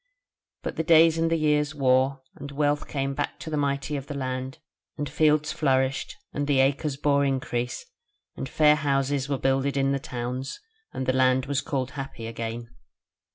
But the days and the years wore, and wealth came back to the mighty of the land, and fields flourished and the acres bore increase, and fair houses were builded in the towns; and the land was called happy again.